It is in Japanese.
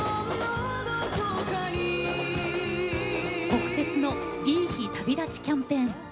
国鉄の「いい日旅立ち」キャンペーン。